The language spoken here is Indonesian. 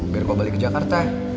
biar kau balik ke jakarta